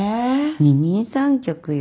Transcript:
二人三脚よ